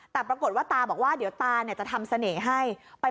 แต่ปรากฏว่าตาบอกว่าเดี๋ยวตาจะทำเสน่ห์ให้